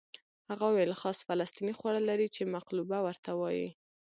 هغه وویل خاص فلسطیني خواړه لري چې مقلوبه ورته وایي.